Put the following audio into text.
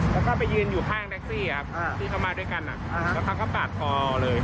แล้วก็ไปยืนอยู่ข้างแท็กซี่ครับที่เขามาด้วยกันแล้วเขาก็ปาดคอเลย